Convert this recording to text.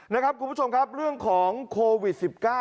นะครับคุณผู้ชมครับเรื่องของโควิด๑๙